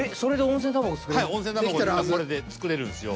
これで作れるんですよ。